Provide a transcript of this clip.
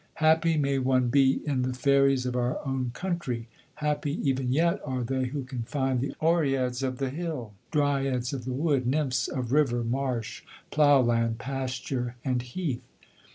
_ Happy may one be in the fairies of our own country. Happy, even yet, are they who can find the Oreads of the hill, Dryads of the wood, nymphs of river, marsh, plough land, pasture, and heath.